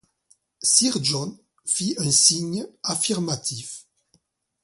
Sir John fit un signe affirmatif.